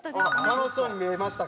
楽しそうに見えましたか。